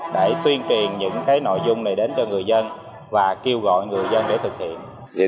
để tuyên truyền những nội dung này đến cho người dân và kêu gọi người dân để thực hiện